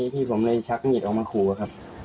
พี่ผมเลยชักมีดออกมาขู่ครับ